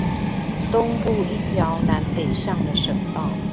東部一條南北向的省道